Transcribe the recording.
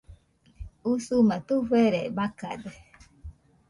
Usuma tufere macade